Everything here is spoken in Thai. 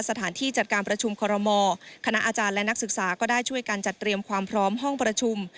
สถานที่จัดการประชุมคอรมอคณะอาจารย์และนักศึกษาก็ได้ช่วยกันจัดเตรียมความพร้อมห้องประชุม